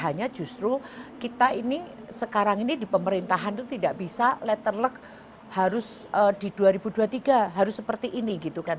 hanya justru kita ini sekarang ini di pemerintahan itu tidak bisa letter luck harus di dua ribu dua puluh tiga harus seperti ini gitu kan